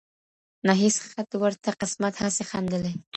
نه هیڅ خت ورته قسمت هسي خندلي